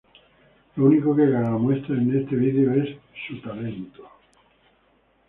Lo único que Gaga muestra en este video es su talento.